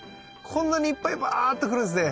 こんなにいっぱいバーッとくるんすね。